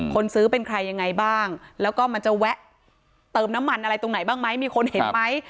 คนซื้อเป็นใครยังไงบ้างแล้วก็มันจะแวะเติมน้ำมันอะไรตรงไหนบ้างไหมมีคนเห็นไหม